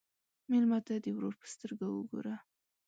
مېلمه ته د ورور په سترګه وګوره.